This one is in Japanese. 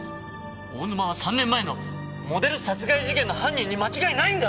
大沼は３年前のモデル殺害事件の犯人に間違いないんだ！